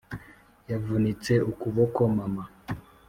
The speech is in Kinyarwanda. yavunitse ukuboko, mama.